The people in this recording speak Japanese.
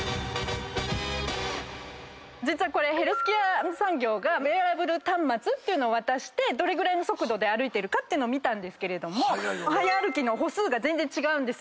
これヘルスケア企業がウエアラブル端末っていうのを渡してどれぐらいの速度で歩いてるかっていうのを見たんですけども早歩きの歩数が全然違うんです。